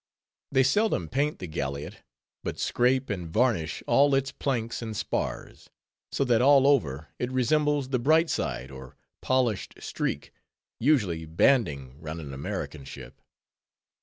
They seldom paint the galliot; but scrape and varnish all its planks and spars, so that all over it resembles the "bright side" or polished streak, usually banding round an American ship.